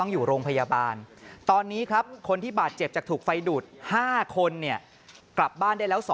น้องไม่เป็นไรก็ดีแล้ว